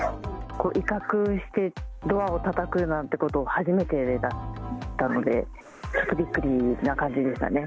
威嚇してドアをたたくなんてこと、初めてだったので、びっくりな感じでしたね。